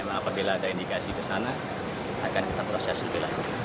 apabila ada indikasi ke sana akan kita prosesi lagi